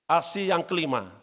aksi yang kelima